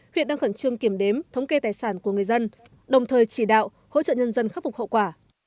huyện đang khẩn trương kiểm đếm thống kê tài sản của người dân đồng thời chỉ đạo hỗ trợ nhân dân khắc phục hậu quả